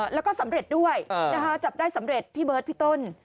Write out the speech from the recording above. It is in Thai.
แล้วก็สำเร็จด้วยนะคะจับได้สำเร็จพี่เบิร์ตพี่ต้น